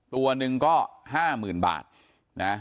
ตัวหนึ่งก็๕๐๐๐บาทนะ